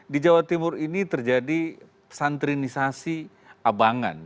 di jawa timur ini terjadi santrinisasi abangan